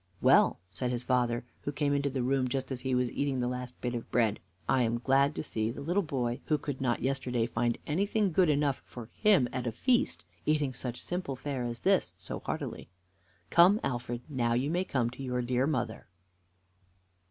"Well," said his father, who came into the room just as he was eating the last bit of bread, "I am glad to see the little boy who could not yesterday find anything good enough for him at a feast eating such simple fare as this so heartily. Come, Alfred, now you may come to your dear mother."